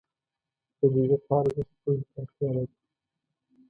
• د دقیقه ارزښت پوهې ته اړتیا لري.